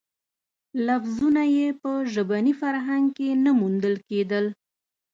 لفظونه یې په ژبني فرهنګ کې نه موندل کېدل.